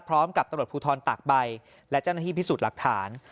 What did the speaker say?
พร้อมกับตำรวจภูทรตากใบและเจ้าหน้าที่พิสูจน์หลักฐาน